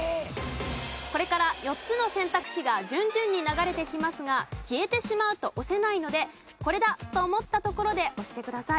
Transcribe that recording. これから４つの選択肢が順々に流れてきますが消えてしまうと押せないので「コレだ！」と思ったところで押してください。